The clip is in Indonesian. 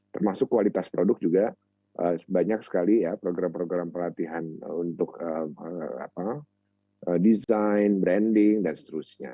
termasuk kualitas produk juga banyak sekali ya program program pelatihan untuk desain branding dan seterusnya